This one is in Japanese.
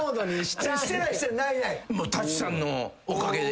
舘さんのおかげで。